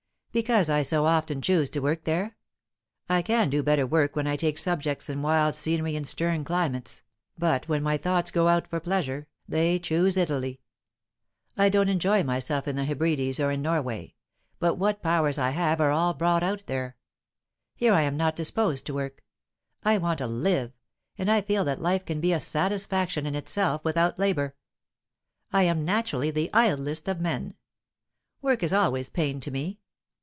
"Because I so often choose to work there? I can do better work when I take subjects in wild scenery and stern climates, but when my thoughts go out for pleasure, they choose Italy. I don't enjoy myself in the Hebrides or in Norway, but what powers I have are all brought out there. Here I am not disposed to work. I want to live, and I feel that life can be a satisfaction in itself without labour. I am naturally the idlest of men. Work is always pain to me.